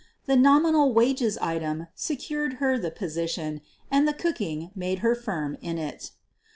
The "nominal wages" item secured her the posi tion and the cooking made her firm in it.